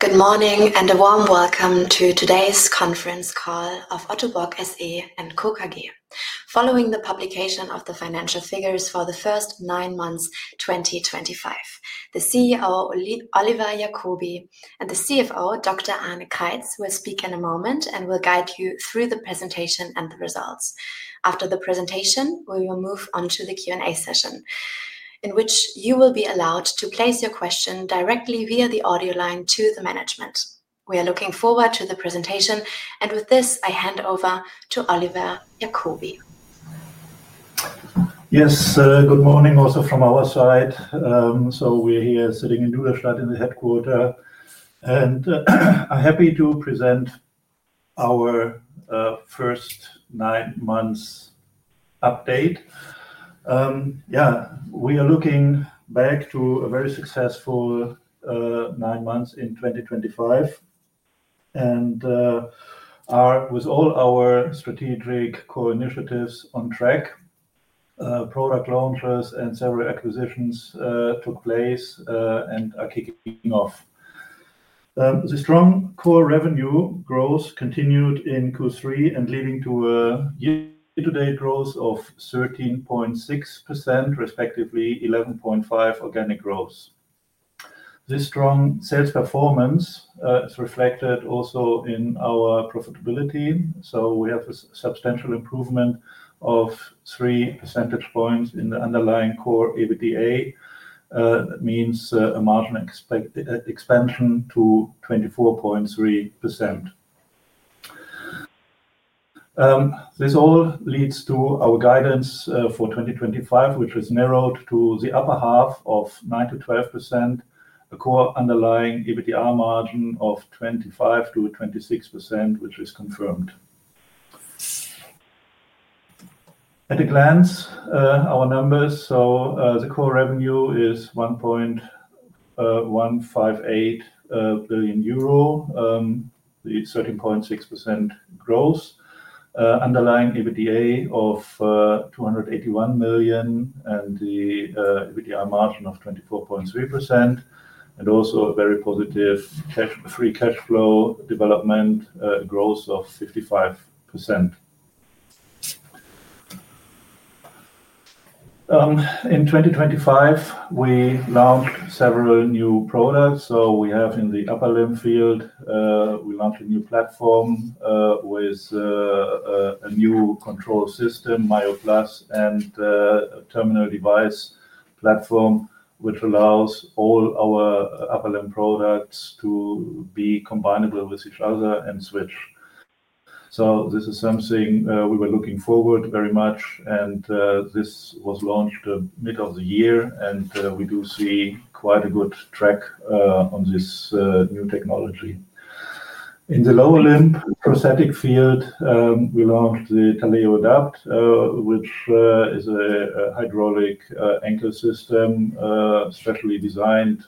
Good morning and a warm welcome to today's Conference Call of Ottobock SE & Co. KGaA. Following the publication of the financial figures for the first nine months 2025, the CEO Oliver Jakobi and the CFO Dr. Arne Kreitz will speak in a moment and will guide you through the presentation and the results. After the presentation, we will move on to the Q&A session, in which you will be allowed to place your question directly via the audio line to the management. We are looking forward to the presentation, and with this, I hand over to Oliver Jakobi. Yes, good morning also from our side. We're here sitting in Duderstadt, in the headquarter, and I'm happy to present our first nine months update. Yeah, we are looking back to a very successful nine months in 2023, and with all our strategic core initiatives on track, product launches and several acquisitions took place and are kicking off. The strong core revenue growth continued in Q3 and led to a year-to-date growth of 13.6%, respectively 11.5% organic growth. This strong sales performance is reflected also in our profitability. We have a substantial improvement of three percentage points in the underlying core EBITDA. That means a margin expansion to 24.3%. This all leads to our guidance for 2023, which was narrowed to the upper half of 9-12%, a core underlying EBITDA margin of 25-26%, which is confirmed. At a glance, our numbers: the core revenue is 1.158 billion euro, the 13.6% growth, underlying EBITDA of 281 million, and the EBITDA margin of 24.3%, and also a very positive free cash flow development growth of 55%. In 2025, we launched several new products. In the upper limb field, we launched a new platform with a new control system, MAYO Plus, and a terminal device platform, which allows all our upper limb products to be combineable with each other and switch. This is something we were looking forward to very much, and this was launched in the middle of the year, and we do see quite a good track on this new technology. In the lower limb prosthetic field, we launched the Taleo Adapt, which is a hydraulic ankle system specially designed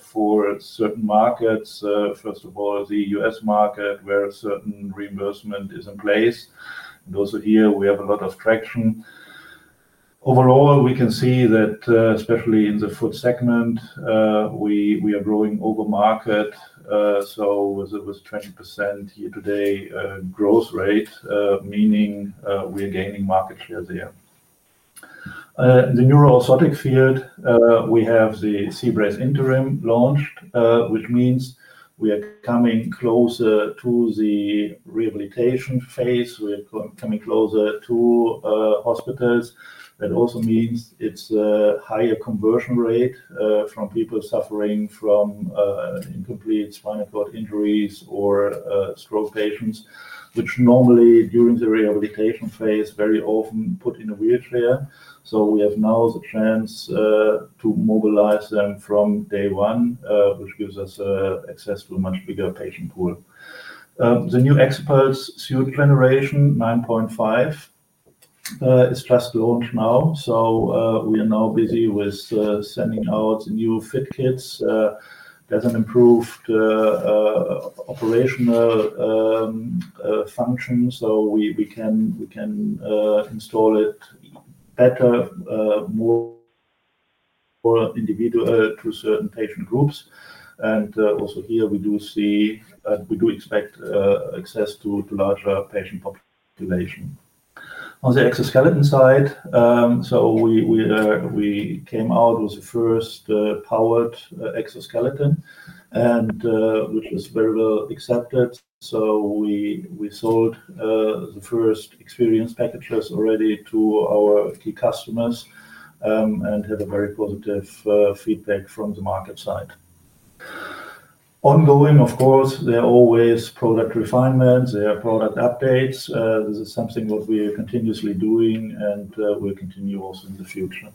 for certain markets. First of all, the U.S. market, where a certain reimbursement is in place. Also here, we have a lot of traction. Overall, we can see that, especially in the foot segment, we are growing over market. With a 20% year-to-date growth rate, meaning we are gaining market share there. In the neuro-orthotic field, we have the C-Brace Interim launched, which means we are coming closer to the rehabilitation phase. We are coming closer to hospitals. That also means it's a higher conversion rate from people suffering from incomplete spinal cord injuries or stroke patients, which normally during the rehabilitation phase very often put in a wheelchair. We have now the chance to mobilize them from day one, which gives us access to a much bigger patient pool. The new Exopulse Suit Generation 9.5 is just launched now. We are now busy with sending out new fit kits. There is an improved operational function, so we can install it better, more individual to certain patient groups. Also here, we do see, we do expect access to a larger patient population. On the exoskeleton side, we came out with the first powered exoskeleton, which was very well accepted. We sold the first experience packages already to our key customers and had very positive feedback from the market side. Ongoing, of course, there are always product refinements. There are product updates. This is something that we are continuously doing and will continue also in the future.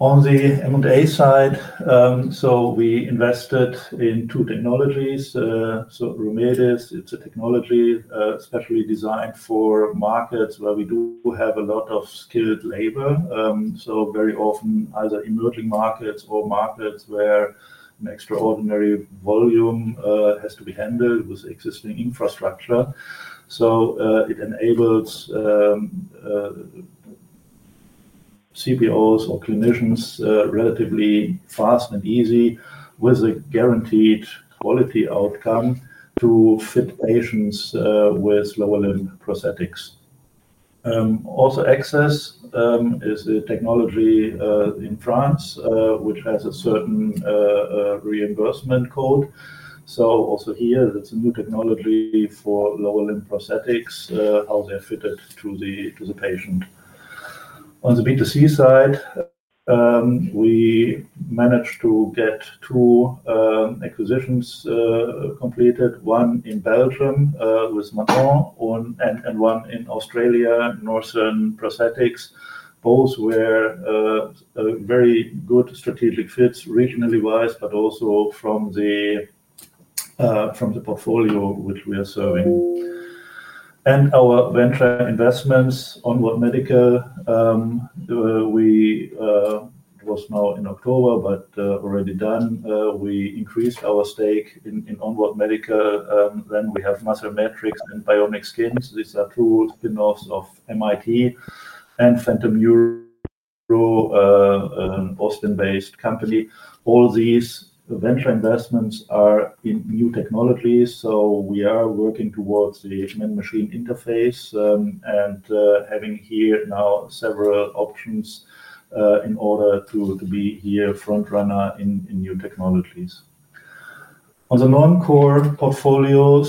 On the M&A side, we invested in two technologies. Remedis is a technology specially designed for markets where we do have a lot of skilled labor. Very often either emerging markets or markets where an extraordinary volume has to be handled with existing infrastructure. It enables CPOs or clinicians relatively fast and easy with a guaranteed quality outcome to fit patients with lower limb prosthetics. Also, Access is a technology in France, which has a certain reimbursement code. Also here, it's a new technology for lower limb prosthetics, how they're fitted to the patient. On the B2C side, we managed to get two acquisitions completed, one in Belgium with Manon and one in Australia, Northern Prosthetics. Both were very good strategic fits regionally-wise, but also from the portfolio which we are serving. Our venture investments on Onward Medical, it was now in October, but already done. We increased our stake in Onward Medical. Then we have Musclemetrix and BionicSkins. These are two spinoffs of MIT and Phantom Neuro, an Austin-based company. All these venture investments are in new technologies. We are working towards the human-machine interface and having here now several options in order to be here front-runner in new technologies. On the non-core portfolio,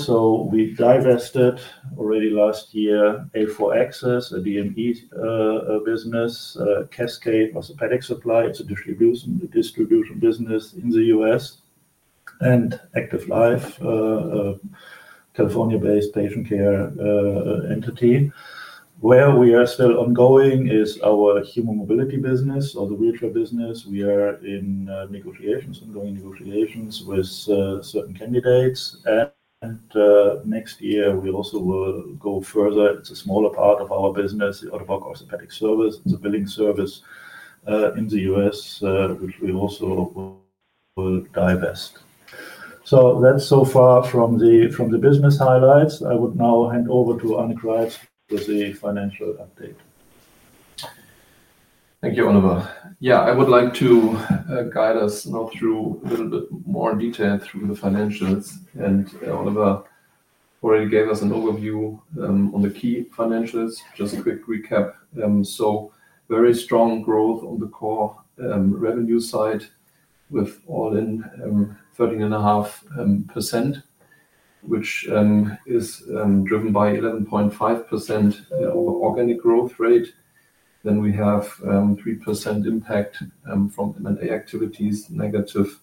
we divested already last year A4 Access, a DME business, Cascade Orthopedic Supply. It is a distribution business in the US and Active Life, a California-based patient care entity. Where we are still ongoing is our human mobility business or the wheelchair business. We are in negotiations, ongoing negotiations with certain candidates. Next year, we also will go further. It is a smaller part of our business, the Ottobock Orthopedic Service. It is a billing service in the US, which we also will divest. That is so far from the business highlights. I would now hand over to Arne Kreitz with the financial update. Thank you, Oliver. Yeah, I would like to guide us now through a little bit more detail through the financials. Oliver already gave us an overview on the key financials. Just a quick recap. Very strong growth on the core revenue side with all in 13.5%, which is driven by 11.5% organic growth rate. Then we have 3% impact from M&A activities, negative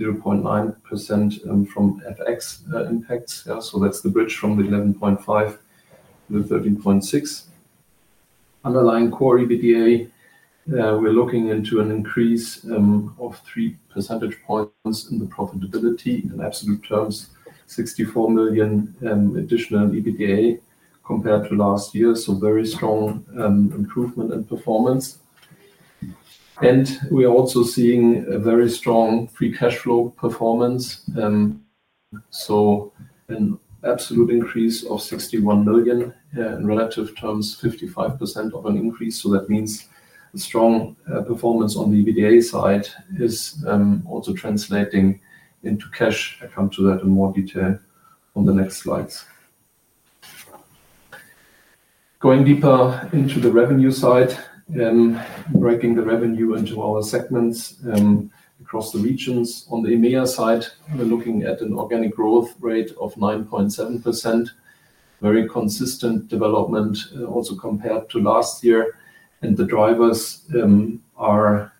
0.9% from FX impacts. That is the bridge from the 11.5% to the 13.6%. Underlying core EBITDA, we are looking into an increase of 3 percentage points in the profitability in absolute terms, 64 million additional EBITDA compared to last year. Very strong improvement in performance. We are also seeing a very strong free cash flow performance. An absolute increase of 61 million in relative terms, 55% of an increase. That means strong performance on the EBITDA side is also translating into cash. I'll come to that in more detail on the next slides. Going deeper into the revenue side, breaking the revenue into our segments across the regions. On the EMEA side, we're looking at an organic growth rate of 9.7%, very consistent development also compared to last year. The drivers are,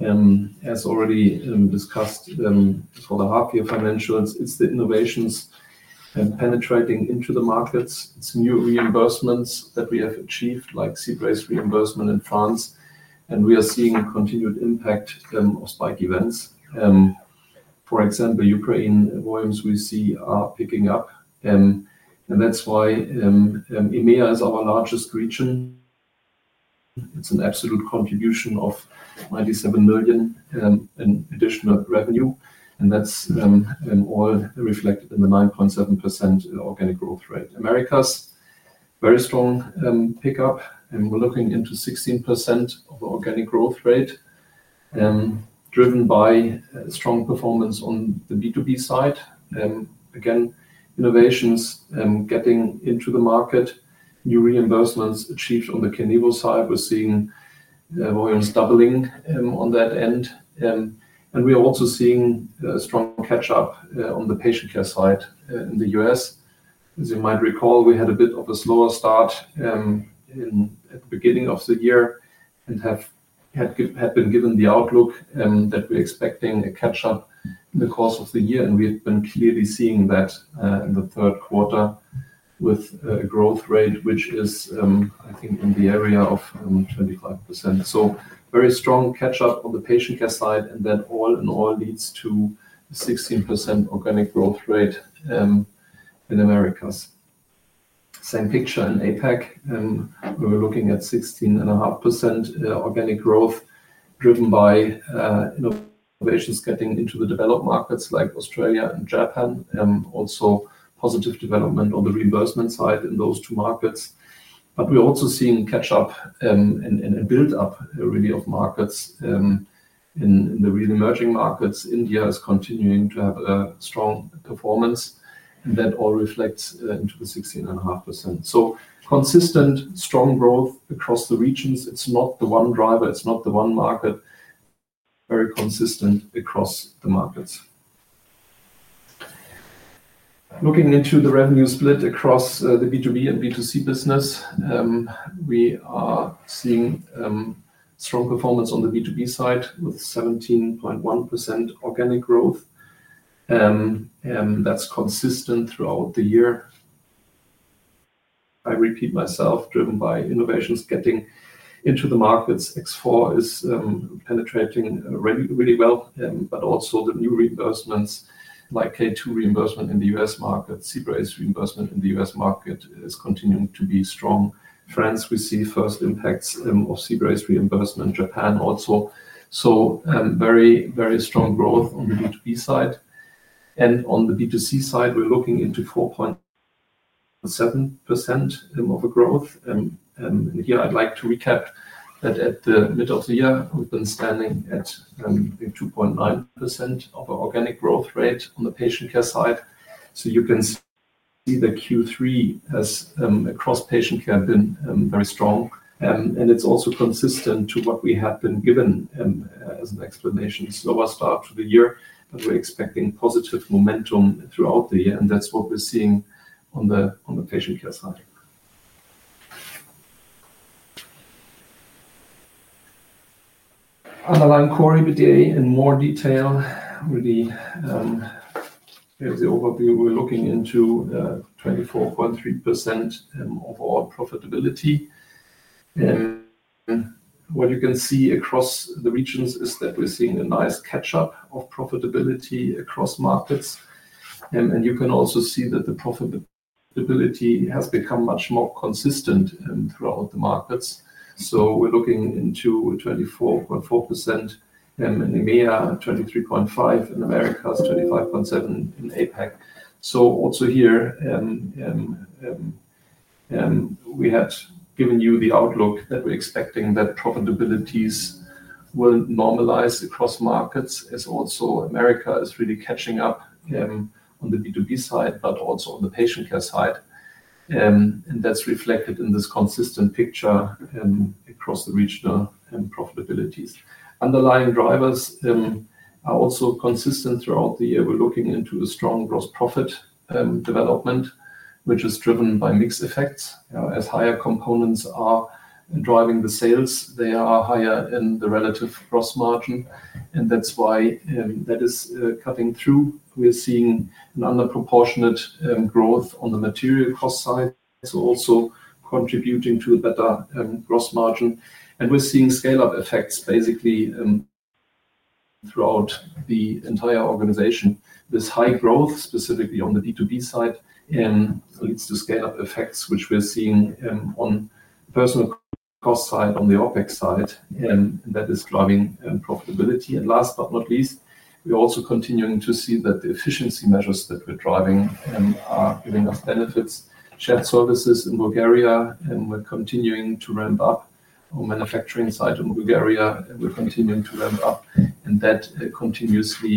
as already discussed for the half-year financials, it's the innovations penetrating into the markets. It's new reimbursements that we have achieved, like C-Brace reimbursement in France. We are seeing continued impact of spike events. For example, Ukraine volumes we see are picking up. That's why EMEA is our largest region. It's an absolute contribution of 97 million in additional revenue. That's all reflected in the 9.7% organic growth rate. Americas, very strong pickup. We are looking into a 16% Organic growth rate, driven by strong performance on the B2B side. Again, innovations getting into the market, new reimbursements achieved on the Kinevo side. We are seeing volumes doubling on that end. We are also seeing a strong catch-up on the patient care side in the U.S. As you might recall, we had a bit of a slower start at the beginning of the year and had been given the outlook that we are expecting a catch-up in the course of the year. We have been clearly seeing that in the third quarter with a growth rate, which is, I think, in the area of 25%. Very strong catch-up on the patient care side. That all in all leads to a 16% organic growth rate in the Americas. Same picture in APAC. We were looking at 16.5% organic growth, driven by innovations getting into the developed markets like Australia and Japan. Also positive development on the reimbursement side in those two markets. We are also seeing catch-up and build-up really of markets in the re-emerging markets. India is continuing to have a strong performance. That all reflects into the 16.5%. Consistent, strong growth across the regions. It is not the one driver. It is not the one market. Very consistent across the markets. Looking into the revenue split across the B2B and B2C business, we are seeing strong performance on the B2B side with 17.1% organic growth. That is consistent throughout the year. I repeat myself, driven by innovations getting into the markets. X4 is penetrating really well, but also the new reimbursements, like K2 reimbursement in the U.S. market, C-Brace reimbursement in the U.S. market is continuing to be strong. France, we see first impacts of C-Brace reimbursement. Japan also. Very, very strong growth on the B2B side. On the B2C side, we're looking into 4.7% of a growth. Here, I'd like to recap that at the middle of the year, we've been standing at 2.9% of our organic growth rate on the patient care side. You can see the Q3 has across patient care been very strong. It's also consistent to what we have been given as an explanation. Slower start to the year, but we're expecting positive momentum throughout the year. That's what we're seeing on the patient care side. Underlying core EBITDA in more detail. Here's the overview. We're looking into 24.3% of all profitability. What you can see across the regions is that we're seeing a nice catch-up of profitability across markets. You can also see that the profitability has become much more consistent throughout the markets. We are looking into 24.4% in EMEA, 23.5% in America, 25.7% in APAC. Here, we had given you the outlook that we are expecting that profitabilities will normalize across markets, as America is really catching up on the B2B side, but also on the patient care side. That is reflected in this consistent picture across the regional profitabilities. Underlying drivers are also consistent throughout the year. We are looking into a strong gross profit development, which is driven by mix effects. As higher components are driving the sales, they are higher in the relative gross margin. That is why that is cutting through. We are seeing an underproportionate growth on the material cost side. It is also contributing to a better gross margin. We are seeing scale-up effects basically throughout the entire organization. This high growth, specifically on the B2B side, leads to scale-up effects, which we're seeing on the personnel cost side, on the OpEx side. That is driving profitability. Last but not least, we're also continuing to see that the efficiency measures that we're driving are giving us benefits. Shared services in Bulgaria are continuing to ramp up. On the manufacturing side in Bulgaria, we're continuing to ramp up. That continuously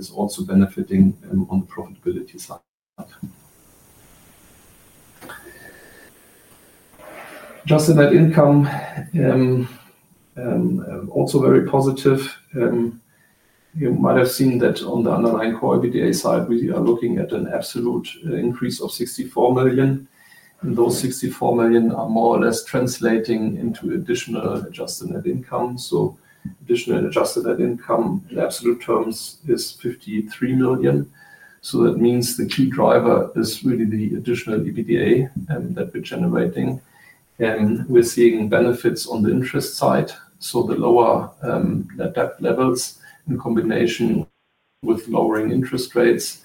is also benefiting on the profitability side. Just in net income, also very positive. You might have seen that on the underlying core EBITDA side, we are looking at an absolute increase of 64 million. Those 64 million are more or less translating into additional adjusted net income. Additional adjusted net income in absolute terms is 53 million. That means the key driver is really the additional EBITDA that we're generating. We are seeing benefits on the interest side. The lower net debt levels in combination with lowering interest rates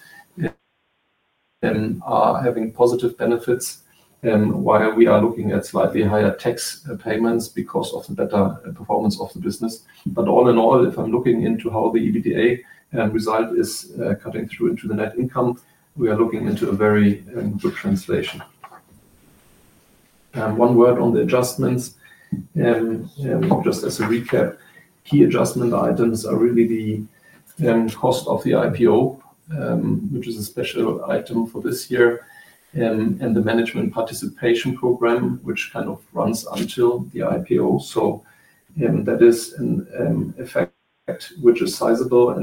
are having positive benefits, while we are looking at slightly higher tax payments because of the better performance of the business. All in all, if I'm looking into how the EBITDA result is cutting through into the net income, we are looking into a very good translation. One word on the adjustments. Just as a recap, key adjustment items are really the cost of the IPO, which is a special item for this year, and the management participation program, which kind of runs until the IPO. That is an effect which is sizable.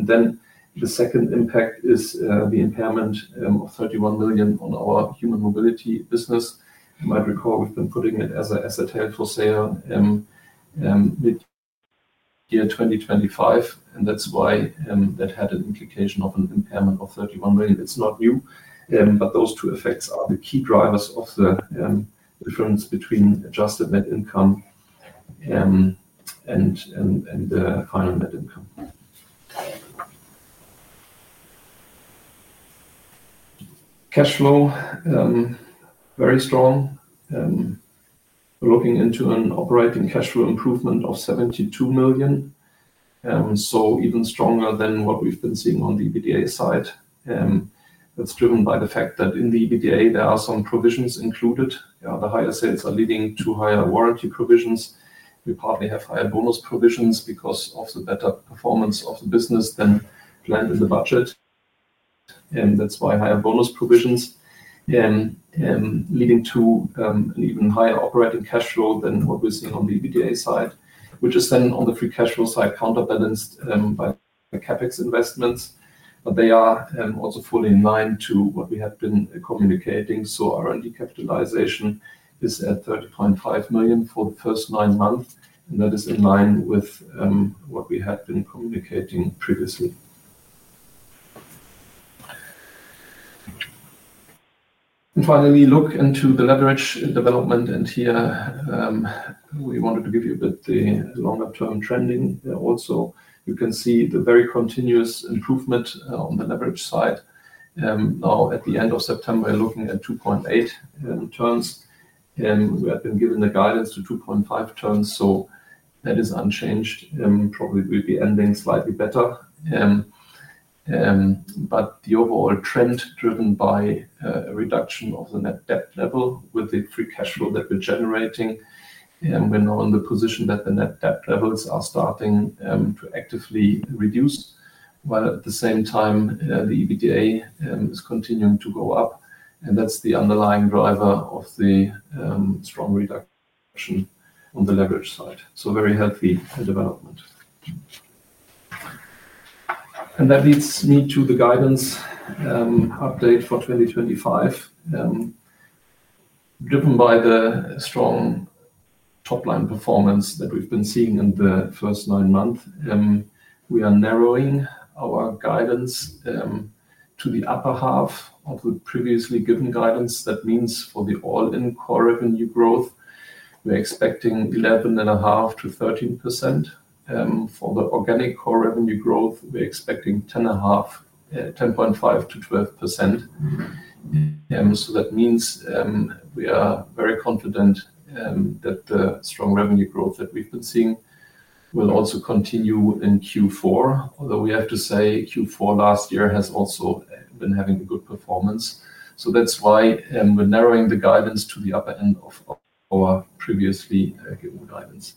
The second impact is the impairment of 31 million on our human mobility business. You might recall we have been putting it as an asset held for sale mid-year 2025. That had an implication of an impairment of 31 million. It is not new. Those two effects are the key drivers of the difference between adjusted net income and final net income. Cash flow is very strong. We are looking into an operating cash flow improvement of 72 million, even stronger than what we have been seeing on the EBITDA side. That is driven by the fact that in the EBITDA, there are some provisions included. The higher sales are leading to higher warranty provisions. We partly have higher bonus provisions because of the better performance of the business than planned in the budget. That is why higher bonus provisions are leading to an even higher operating cash flow than what we are seeing on the EBITDA side, which is then on the free cash flow side counterbalanced by CapEx investments. They are also fully in line with what we have been communicating. Our early capitalization is at 30.5 million for the first nine months, and that is in line with what we had been communicating previously. Finally, looking into the leverage development, we wanted to give you a bit of the longer-term trending. Also, you can see the very continuous improvement on the leverage side. Now, at the end of September, we are looking at 2.8 turns. We had been giving the guidance to 2.5 turns, so that is unchanged. Probably we will be ending slightly better, but the overall trend is driven by a reduction of the net debt level with the free cash flow that we are generating. We are now in the position that the net debt levels are starting to actively reduce, while at the same time, the EBITDA is continuing to go up. That is the underlying driver of the strong reduction on the leverage side. Very healthy development. That leads me to the guidance update for 2025. Driven by the strong top-line performance that we have been seeing in the first nine months, we are narrowing our guidance to the upper half of the previously given guidance. That means for the all-in core revenue growth, we are expecting 11.5%-13%. For the organic core revenue growth, we are expecting 10.5%-12%. That means we are very confident that the strong revenue growth that we have been seeing will also continue in Q4. Although we have to say, Q4 last year has also been having a good performance. That is why we are narrowing the guidance to the upper end of our previously given guidance.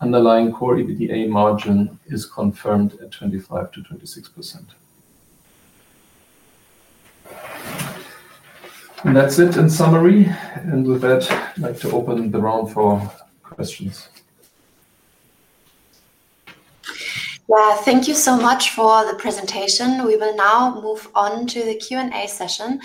Underlying core EBITDA margin is confirmed at 25%-26%. That is it in summary with that, I'd like to open the round for questions. Thank you so much for the presentation. We will now move on to the Q&A session.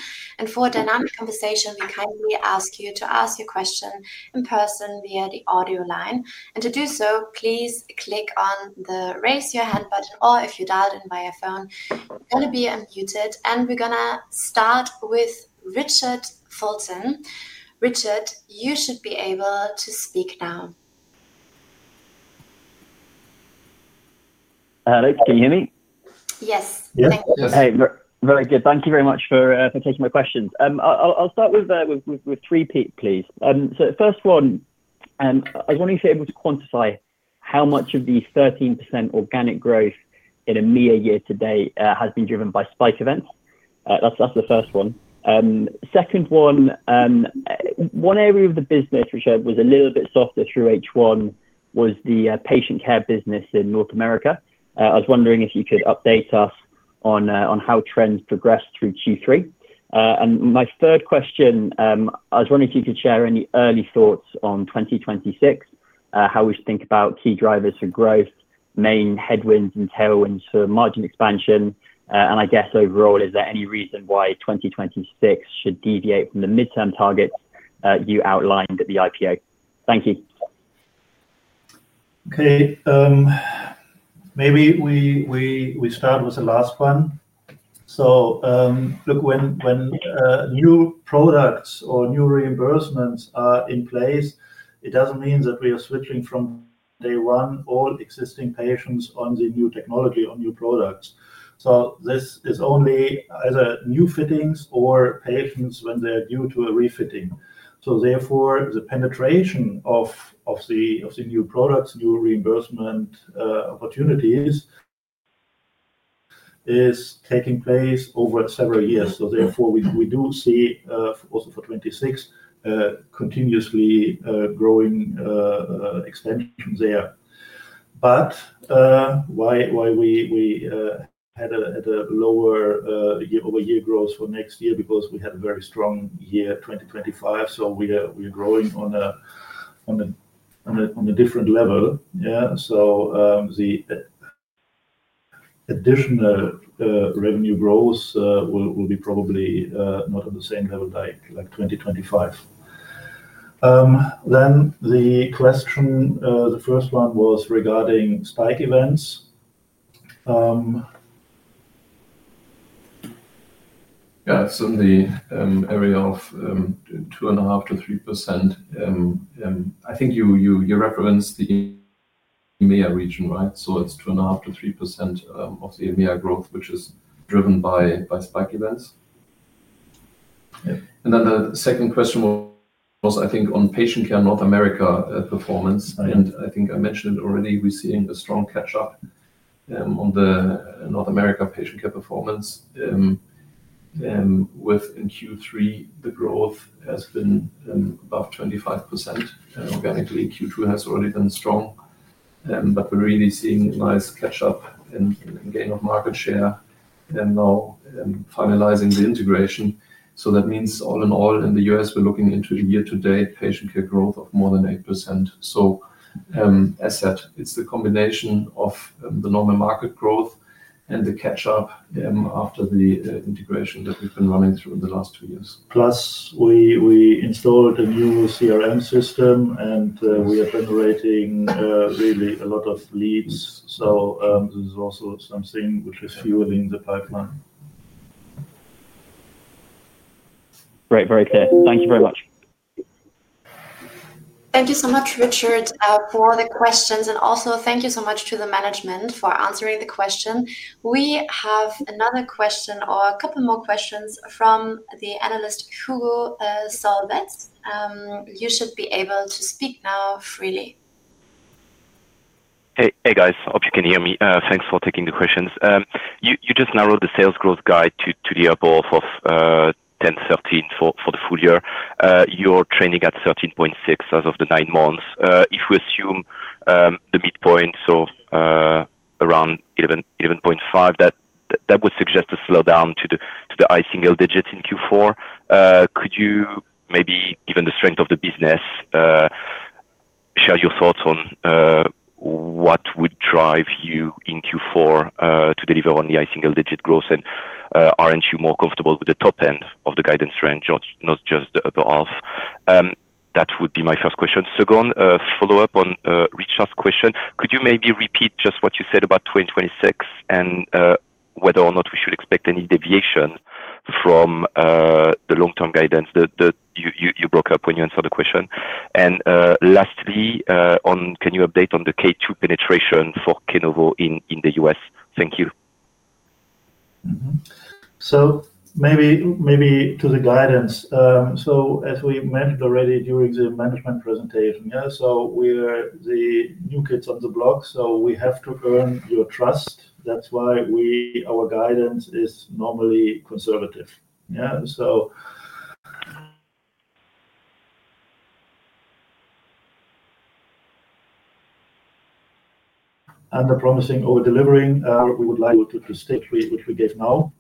For a dynamic conversation, we kindly ask you to ask your question in person via the audio line. To do so, please click on the raise your hand button, or if you dialed in via phone, you're going to be unmuted. We're going to start with Richard Fulton. Richard, you should be able to speak now. Hello. Can you hear me? Yes. Thank you. Hey. Very good. Thank you very much for taking my questions. I'll start with three peaks, please. The first one, I was wondering if you're able to quantify how much of the 13% organic growth in EMEA year to date has been driven by spike events. That's the first one. Second one, one area of the business, Richard, was a little bit softer through H1, was the patient care business in North America. I was wondering if you could update us on how trends progressed through Q3. My third question, I was wondering if you could share any early thoughts on 2026, how we should think about key drivers for growth, main headwinds and tailwinds for margin expansion. I guess overall, is there any reason why 2026 should deviate from the midterm targets you outlined at the IPO? Thank you. Okay. Maybe we start with the last one. Look, when new products or new reimbursements are in place, it does not mean that we are switching from day one all existing patients on the new technology, on new products. This is only either new fittings or patients when they are due to a refitting. Therefore, the penetration of the new products, new reimbursement opportunities is taking place over several years. Therefore, we do see also for 2026 continuously growing expansion there. Why did we have a lower Year-over-Year growth for next year? Because we had a very strong year 2025. We are growing on a different level. The additional revenue growth will be probably not at the same level like 2025. The question, the first one was regarding spike events. Yeah. It's in the area of 2.5%-3%. I think you referenced the EMEA region, right? So it's 2.5%-3% of the EMEA growth, which is driven by spike events. The second question was, I think, on patient care North America performance. I think I mentioned it already. We're seeing a strong catch-up on the North America patient care performance. Within Q3, the growth has been above 25%. Organically, Q2 has already been strong. We are really seeing a nice catch-up and gain of market share now finalizing the integration. That means all in all, in the US, we are looking into a year-to-date patient care growth of more than 8%. As said, it is the combination of the normal market growth and the catch-up after the integration that we have been running through in the last two years. Plus, we installed a new CRM system, and we are generating really a lot of leads. This is also something which is fueling the pipeline. Great. Very clear. Thank you very much. Thank you so much, Richard, for the questions. Also, thank you so much to the management for answering the question. We have another question or a couple more questions from the analyst Hugo Solvet. You should be able to speak now freely. Hey, guys. I hope you can hear me. Thanks for taking the questions. You just narrowed the sales growth guide to the upper half of 10-13% for the full year. You're trading at 13.6% as of the nine months. If we assume the midpoint, so around 11.5%, that would suggest a slowdown to the high single digits in Q4. Could you maybe, given the strength of the business, share your thoughts on what would drive you in Q4 to deliver on the high single digit growth and aren't you more comfortable with the top end of the guidance range, not just the upper half? That would be my first question. Second follow-up on Richard's question. Could you maybe repeat just what you said about 2026 and whether or not we should expect any deviation from the long-term guidance that you broke up when you answered the question? And lastly, can you update on the K2 penetration for Kenevo in the US? Thank you. Maybe to the guidance. As we mentioned already during the management presentation, we are the new kids on the block. We have to earn your trust. That is why our guidance is normally conservative. Under-promising or delivering, we would like to stick with what we gave now.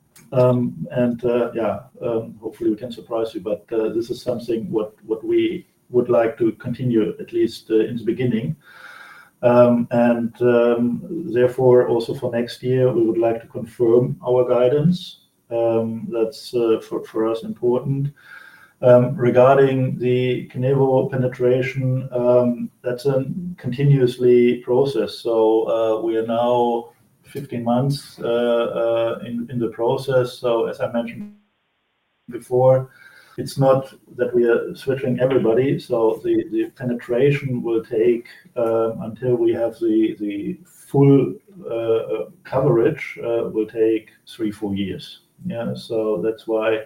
Yeah, hopefully, we can surprise you. This is something we would like to continue, at least in the beginning. Therefore, also for next year, we would like to confirm our guidance. That is for us important. Regarding the Kenevo penetration, that is a continuous process. We are now 15 months in the process. As I mentioned before, it's not that we are switching everybody. The penetration will take until we have the full coverage, which will take three to four years. That is why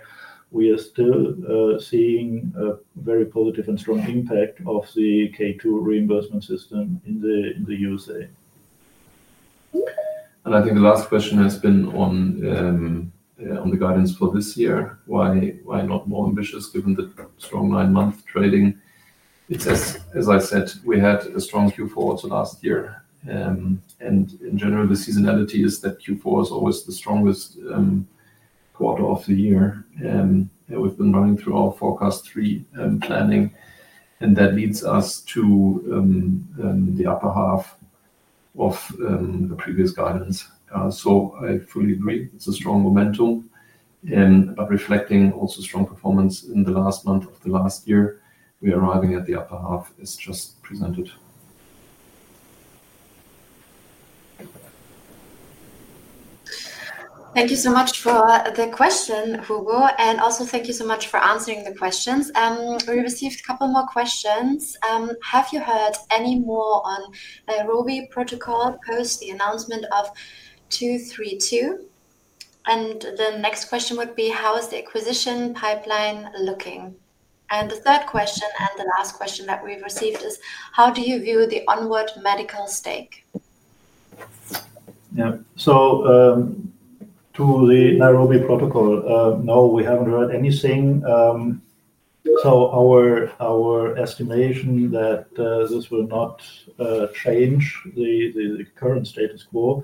we are still seeing a very positive and strong impact of the K2 reimbursement system in the U.S. I think the last question has been on the guidance for this year. Why not more ambitious given the strong nine-month trading? As I said, we had a strong Q4 last year. In general, the seasonality is that Q4 is always the strongest quarter of the year. We have been running through our forecast planning, and that leads us to the upper half of the previous guidance. I fully agree. It is a strong momentum. Reflecting also strong performance in the last month of the last year, we are arriving at the upper half as just presented. Thank you so much for the question, Hugo. Thank you so much for answering the questions. We received a couple more questions. Have you heard any more on the Nairobi protocol post the announcement of 232? The next question would be, how is the acquisition pipeline looking? The third question and the last question that we've received is, how do you view the Onward Medical stake? Yeah. To the Nairobi protocol, no, we haven't heard anything. Our estimation that this will not change the current status quo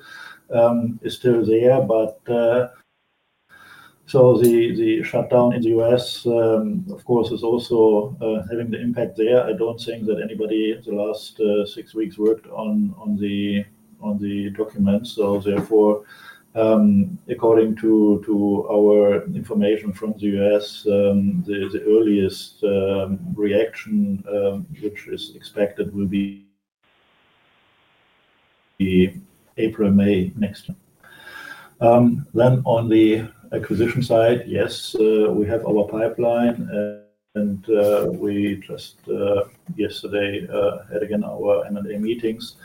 is still there. The shutdown in the U.S., of course, is also having the impact there. I don't think that anybody in the last six weeks worked on the documents. Therefore, according to our information from the U.S., the earliest reaction, which is expected, will be April, May next year. On the acquisition side, yes, we have our pipeline. We just yesterday had, again, our M&A meetings.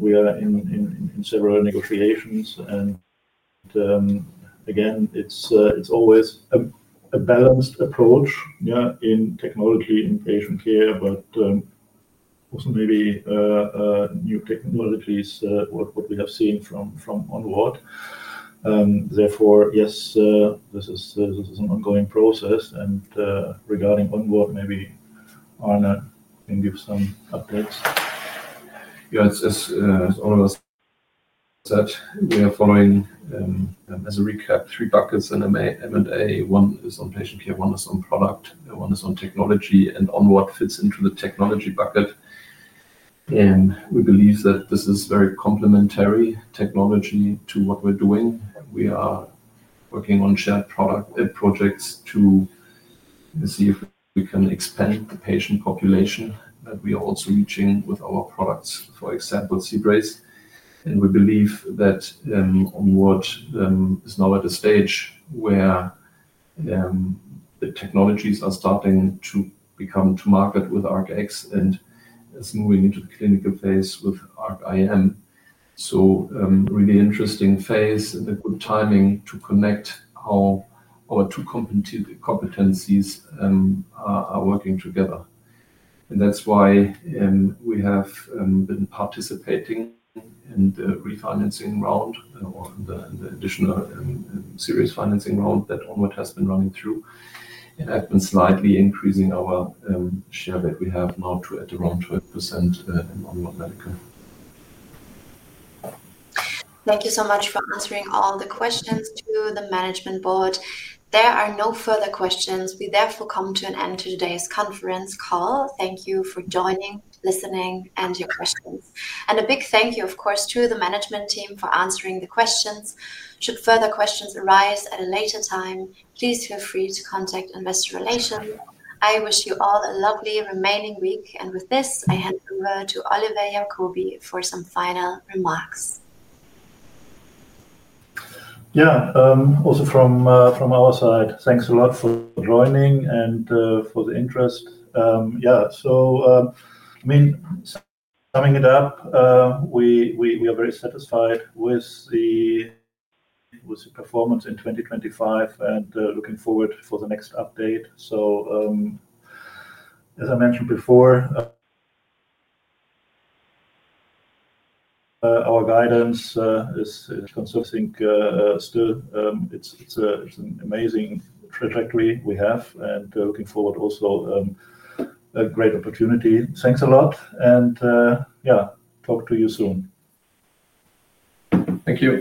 We are in several negotiations. Again, it's always a balanced approach in technology and patient care, but also maybe new technologies, what we have seen from Onward. Therefore, yes, this is an ongoing process. Regarding Onward, maybe Anne can give some updates. Yeah. As Oliver said, we are following, as a recap, three buckets in M&A. One is on patient care, one is on product, one is on technology, and Onward fits into the technology bucket. We believe that this is very complementary technology to what we're doing. We are working on shared projects to see if we can expand the patient population that we are also reaching with our products, for example, C-Brace. We believe that ONWARD is now at a stage where the technologies are starting to come to market with ARC-X and is moving into the clinical phase with ARC-IM. Really interesting phase and good timing to connect how our two competencies are working together. That is why we have been participating in the refinancing round or in the additional series financing round that Onward has been running through. I have been slightly increasing our share that we have now to at around 12% Onward Medical. Thank you so much for answering all the questions to the management board. There are no further questions. We therefore come to an end to today's conference call. Thank you for joining, listening, and your questions. A big thank you, of course, to the management team for answering the questions. Should further questions arise at a later time, please feel free to contact investor relations. I wish you all a lovely remaining week. With this, I hand over to Oliver Jakobi for some final remarks. Yeah. Also from our side, thanks a lot for joining and for the interest. Yeah. I mean, summing it up, we are very satisfied with the performance in 2025 and looking forward for the next update. As I mentioned before, our guidance is consisting. Still, it is an amazing trajectory we have and looking forward also a great opportunity. Thanks a lot. Yeah, talk to you soon. Thank you.